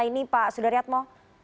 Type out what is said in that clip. pemerintah ini pak sudaryatmo